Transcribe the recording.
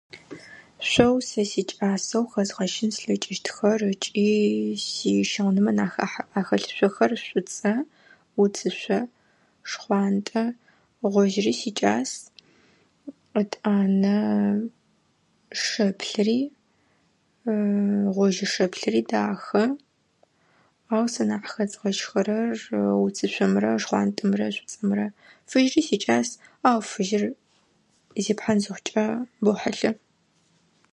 Шъоу сэ сикӏасэу хэзгъэщын слъэкӏыщтхэр ыкӏи сищыгъынмэ нахь ахэлъы шъохэр шlуцlэ, уцышъо, шхъуантlэ, гъожьыри сикӏас. Етӏанэ Шэплъыри гъожьы-шэплъыри дахэ. Ау сэ нахь къыхэзгъэщырэр уцышъомрэ шхъуантlэмрэ шlуцlэмрэ. Фыжьи сикӏас, ау фыжьыр зипхъан зыхъукӏэ бэу хьылъэ.